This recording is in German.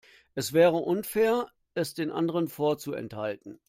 Es wäre unfair, es den anderen vorzuenthalten.